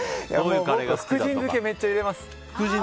福神漬け、めっちゃ入れます。